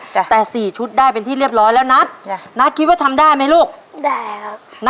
จ้ะแต่สี่ชุดได้เป็นที่เรียบร้อยแล้วนัทจ้ะนัทนัทคิดว่าทำได้ไหมลูกได้ครับนัท